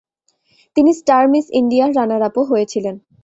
তিনি star miss ইন্ডিয়ার রানার-আপও হয়েছিলেন।